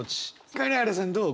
金原さんどう？